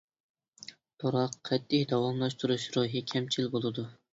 بىراق قەتئىي داۋاملاشتۇرۇش روھىي كەمچىل بولىدۇ.